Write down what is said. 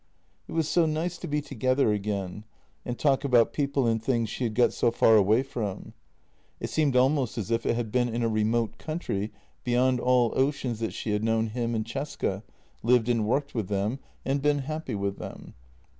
It was so nice to be together again and talk about people and things she had got so far away from. It seemed almost as if it had been in a remote country beyond all oceans that she had known him and Cesca, lived and worked with them, and been happy with them.